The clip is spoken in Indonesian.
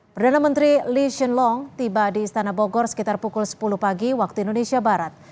perdana menteri lishion long tiba di istana bogor sekitar pukul sepuluh pagi waktu indonesia barat